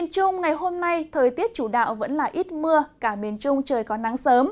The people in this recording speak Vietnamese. trong ngày hôm nay thời tiết chủ đạo vẫn là ít mưa cả miền trung trời có nắng sớm